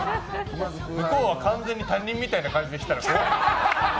向こうは完全に他人みたいな感じで来たら怖いよ。